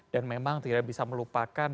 dan memang tidak bisa melupakan